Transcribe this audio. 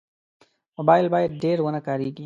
موبایل باید ډېر ونه کارېږي.